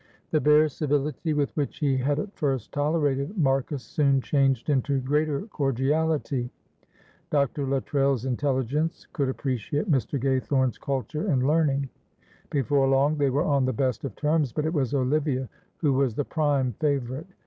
The bare civility with which he had at first tolerated Marcus soon changed into greater cordiality. Dr. Luttrell's intelligence could appreciate Mr. Gaythorne's culture and learning. Before long they were on the best of terms, but it was Olivia who was the prime favourite.